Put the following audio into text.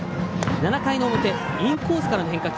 ７回の表インコースからの変化球。